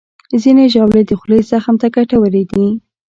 ځینې ژاولې د خولې زخم ته ګټورې دي.